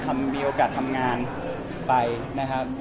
มีโอกาสทำงานไปนะครับ